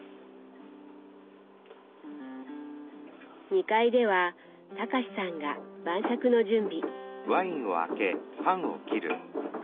２階では恭さんが晩酌の準備。